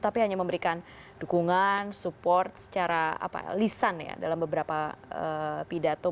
tapi hanya memberikan dukungan support secara lisan ya dalam beberapa pidato